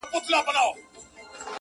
آثر د خپل یوه نظر وګوره ,